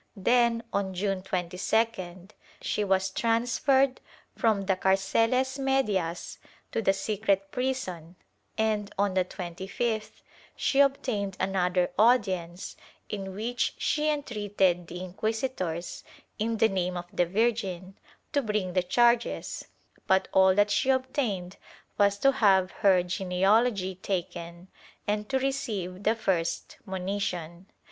Then, on June 22d she was transferred from the carceles medias to the secret prison and, on the 25th, she obtained another audience in which she entreated the inquisitors, in the name of the Virgin, to bring the charges, but all that she obtained was to have her genealogy taken and to receive the first monition.